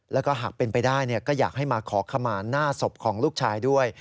แล้วก็หากเป็นไปได้ก็อยากให้มาขอขมาหน้าศพของลูกชายด้วย